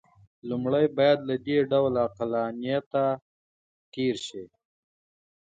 لومړی باید له دې ډول عقلانیته تېر شي.